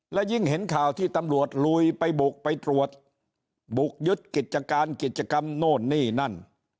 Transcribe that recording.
และยิ่งเห็นข่าวที่ตำรวจลุยไปบุกไปตรวจบุกยึดกิจการกิจกรรมโน่นนี่นั่น